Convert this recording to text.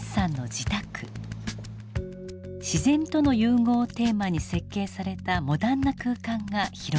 自然との融合をテーマに設計されたモダンな空間が広がります。